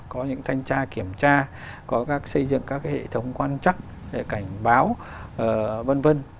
có những thanh tra kiểm tra có xây dựng các hệ thống quan chắc cảnh báo v v